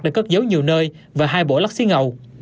được cất giấu nhiều nơi và hai bộ lắc xí ngầu